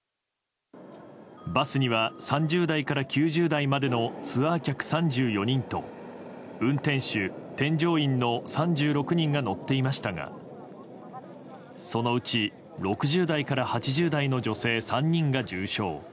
バスには３０代から９０代までのツアー客３４人と運転手、添乗員の３６人が乗っていましたがそのうち６０代から８０代の女性３人が重傷。